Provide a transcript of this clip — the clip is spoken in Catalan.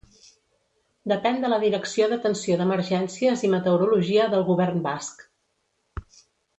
Depèn de la Direcció d'Atenció d'Emergències i Meteorologia del Govern Basc.